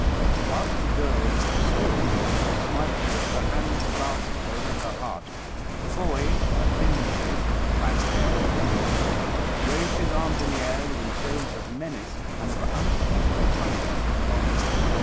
Whilst the girl stood still, half smiling, with her hands clasped over her heart, the boy, a thin shape, with black hair and ragged clothing, raised his arms in the air with an appearance of menace and of unappeasable hunger and longing.